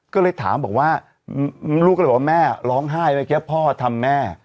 ก็เลยถามบอกว่าลูกก็เลยบอกว่าแม่ร้องไห้เมื่อกี้พ่อทำแม่